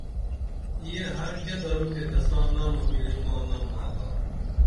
یہ ہر کیہ درو تے تساں نامہ ملی ماں نم آگا